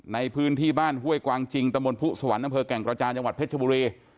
ในพื้นที่บ้านห้วยกวางจิงตมพสวรรค์นแก่งกราชาจังหวัดเพชรบุรี